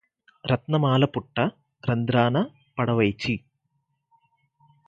రత్నమాల పుట్ట రంధ్రాన పడవైచి